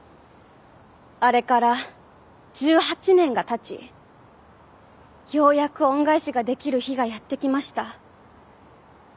あれから１８年が経ちようやく恩返しができる日がやってきました。